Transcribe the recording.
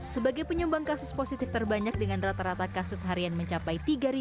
sebagai penyumbang kasus positif terbanyak dengan rata rata kasus harian mencapai tiga